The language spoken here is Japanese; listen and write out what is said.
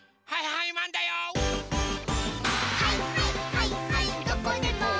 「はいはいはいはいマン」